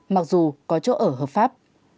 mặc dù có chỗ ở hợp pháp